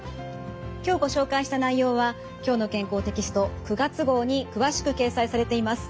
今日ご紹介した内容は「きょうの健康」テキスト９月号に詳しく掲載されています。